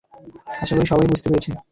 আশাকরি সবাই বুঝতে পেরেছেন।